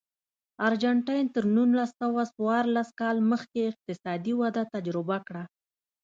ارجنټاین تر نولس سوه څوارلس کال مخکې اقتصادي وده تجربه کړه.